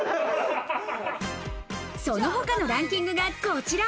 その他のランキングはこちら。